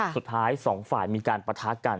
สุดท้าย๒ฝ่ายมีการประทะกัน